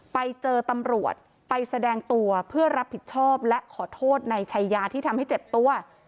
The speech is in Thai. ไปเจอตำรวจไปแสดงตัวเพื่อรับผิดชอบและขอโทษในชายาที่ทำให้เจ็บตัว